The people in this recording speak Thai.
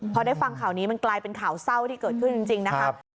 พอได้ฟังข่าวนี้มันกลายเป็นข่าวเศร้าที่เกิดขึ้นจริงนะครับ